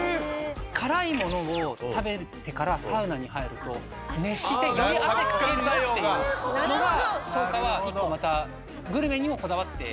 辛いものを食べてからサウナに入ると熱してより汗かけるよっていうのが草加は１個またグルメにもこだわって。